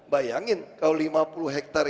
bayangin kalau lima puluh hektare